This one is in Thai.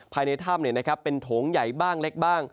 ภายในถ้ำเป็นโถงใหญ่บ้างเล็กบ้าง